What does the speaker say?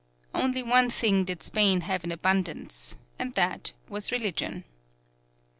Only one thing did Spain have in abundance, and that was religion.